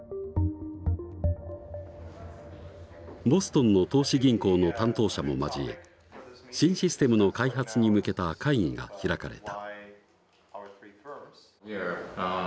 ボストンの投資銀行の担当者も交え新システムの開発に向けた会議が開かれた。